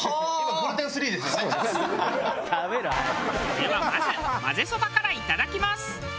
ではまずまぜそばからいただきます。